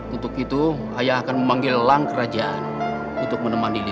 untuk itu ayah akan memanggil elang kerajaan untuk menemani lili